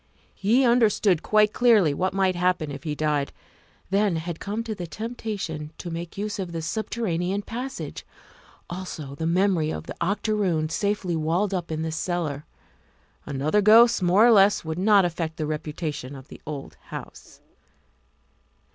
He understood quite clearly what might happen if he died; then had come the temptation to make use of the subterranean passage ; also the memory of the Octoroon safely walled up in the cellar. Another ghost more or less would not affect the reputation of the old house.